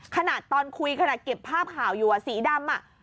ขนาดตอนคุยขนาดเก็บภาพข่าวอยู่สีดำ